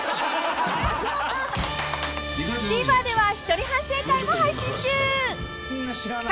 ［ＴＶｅｒでは一人反省会も配信中］